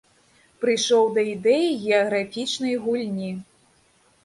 Прыйшоў да ідэі геаграфічнай гульні.